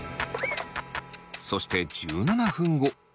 そして１７分後。